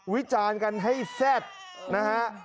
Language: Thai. วิจารณ์กันให้แซ่บนะฮะ